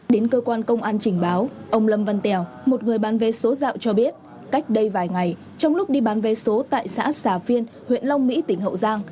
đến cơ quan công an trình báo ông lâm văn tèo một người bán vé số dạo cho biết cách đây vài ngày trong lúc đi bán vé số tại xã xà phiên huyện long mỹ tỉnh hậu giang